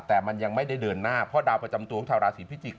แต่มันยังไม่ได้เดินหน้าเพราะดาวประจำตัวของชาวราศีพิจิกษ